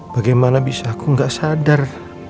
bagaimana bisa aku nggak sadar